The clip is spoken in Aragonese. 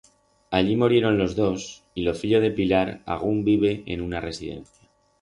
Allí morieron los dos y lo fillo de Pilar agún vive en una residencia.